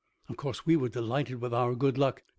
Of course, we were delighted with our good luck.